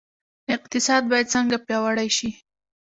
اقتصاد باید څنګه پیاوړی شي؟